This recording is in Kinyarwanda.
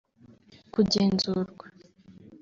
kugenzurwa